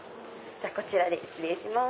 こちらで失礼します。